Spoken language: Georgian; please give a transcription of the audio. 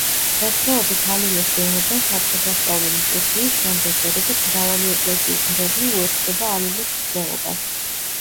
დღესდღეობით ალილოს ზეიმობენ სადღესასწაულო ლიტურგიის შემდეგ, როდესაც მრავალი ეკლესიის მრევლი უერთდება ალილოს მსვლელობას.